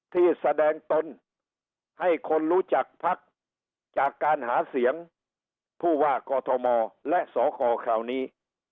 ที่แสดงตนให้คนรู้จักพักจากการหาเสียงผู้ว่ากอทมและสคคราวนี้